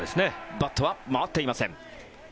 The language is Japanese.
バットは回っていません。